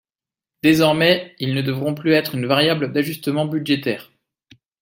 Désormais, ils ne devront plus être une variable d’ajustement budgétaire.